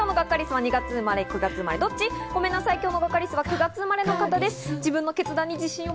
ごめんなさい、今日のガッカりすは９月生まれの方です。